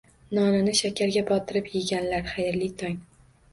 Nonni shakarga botirib yeganlar, xayrli tong!